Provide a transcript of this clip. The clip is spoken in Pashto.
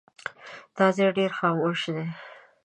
دا ځای ډېر خاموش دی.